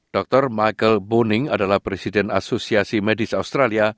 dr michael boning adalah presiden asosiasi medis australia